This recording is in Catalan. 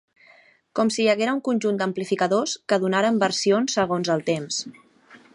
Com si hi haguera un conjunt d’amplificadors que donaren versions segons el temps.